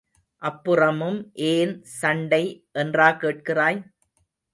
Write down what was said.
அப்புறமும் ஏன் சண்டை என்றா கேட்கிறாய்?